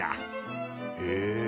へえ！